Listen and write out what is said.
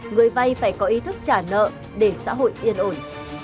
người vay phải có ý thức trả nợ để xã hội yên ổn